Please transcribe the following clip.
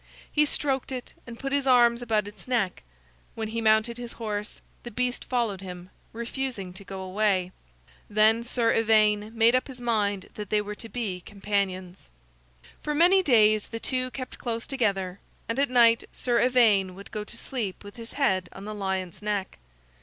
He stroked it, and put his arms about its neck. When he mounted his horse, the beast followed him, refusing to go away. Then Sir Ivaine made up his mind that they were to be companions. For many days the two kept close together, and at night Sir Ivaine would go to sleep with his head on the lion's neck.